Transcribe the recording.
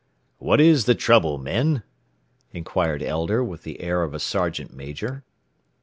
"What is the trouble, men?" inquired Elder, with the air of a sergeant major.